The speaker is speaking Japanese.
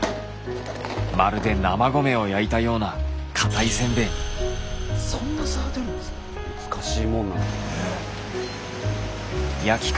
まるで生米を焼いたようなそんな差が出るんですか？